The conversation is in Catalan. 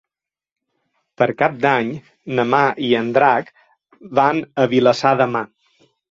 Per Cap d'Any na Mar i en Drac van a Vilassar de Mar.